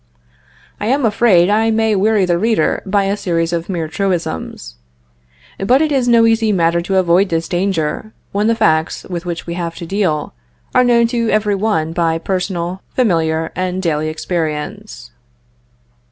I am afraid I may weary the reader by a series of mere truisms. But it is no easy matter to avoid this danger, when the facts, with which we have to deal, are known to every one by personal, familiar, and daily experience.